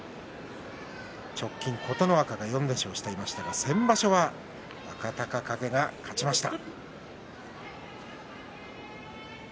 直近、琴ノ若が４連勝していましたが先場所は若隆景が勝ちました。